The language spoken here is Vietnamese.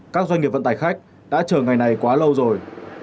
các doanh nghiệp vận tải khách đã chờ ngày này quá lâu rồi